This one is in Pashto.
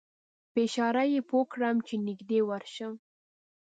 په اشاره یې پوی کړم چې نږدې ورشم.